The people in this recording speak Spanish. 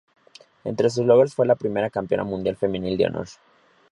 Entre sus logros fue la primera Campeona Mundial Femenil de Honor.